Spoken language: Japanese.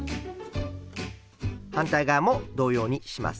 反対側も同様にします。